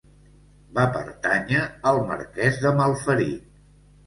Va pertànyer al Marquès de Malferit.